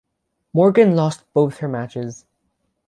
Morgan lost both her matches.